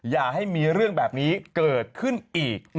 อย่าให้มีเรื่องแบบนี้เกิดขึ้นอีก